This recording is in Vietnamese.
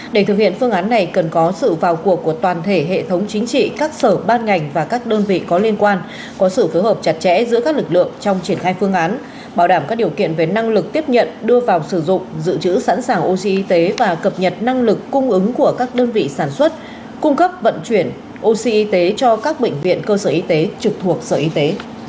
để thực hiện phương án này cần có sự vào cuộc của toàn thể hệ thống chính trị các sở ban ngành và các đơn vị có liên quan có sự phối hợp chặt chẽ giữa các lực lượng trong triển khai phương án bảo đảm các điều kiện về năng lực tiếp nhận đưa vào sử dụng giữ chữ sẵn sàng oxy y tế và cập nhật năng lực cung ứng của các đơn vị sản xuất cung cấp vận chuyển oxy y tế cho các bệnh viện cơ sở y tế trực thuộc sở y tế